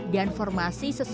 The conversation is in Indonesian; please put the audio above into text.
dan formasi yang berbeda